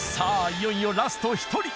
いよいよラスト１人。